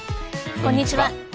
こんにちは。